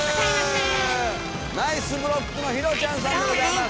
ナイスブロックの「ひろちゃん」さんでございます。